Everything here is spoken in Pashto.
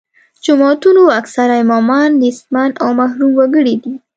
جوماتونو اکثره امامان نیستمن او محروم وګړي دي.